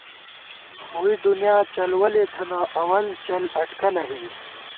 ووئی دُنیا چلوَلے تھنہ ، اول چل اٹکلہ ہِل